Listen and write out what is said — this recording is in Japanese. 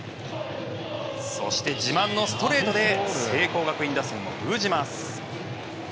そして、自慢のストレートで聖光学院打線を封じます。